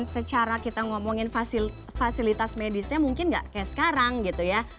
secara kita ngomongin fasilitas medisnya mungkin nggak kayak sekarang gitu ya